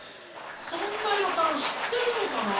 そんな旅館知ってるのかなあ。